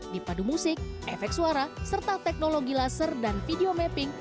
di padu musik efek suara serta teknologi laser dan video mapping